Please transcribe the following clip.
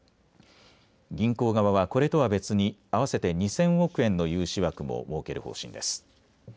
銀行側はこれとは別に合わせて２０００億円の融資枠も設ける方針です。